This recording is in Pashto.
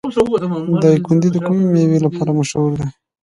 دایکنډي د کومې میوې لپاره مشهور دی؟